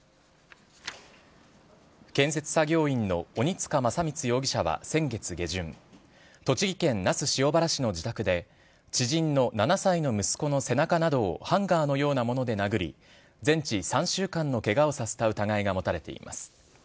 建設作業員の鬼塚将光容疑者は先月下旬、栃木県那須塩原市の自宅で、知人の７歳の息子の背中などをハンガーのようなもので殴り、全治３週間のけがをさせた疑いが持たれています。